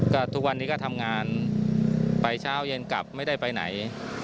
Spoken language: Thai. ก็ทุกวันนี้ก็ทำงานไปเช้าเย็นกลับไม่ได้ไปไหน